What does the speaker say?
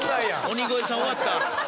鬼越さん終わった。